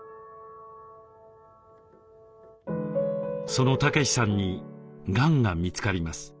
その武士さんにがんが見つかります。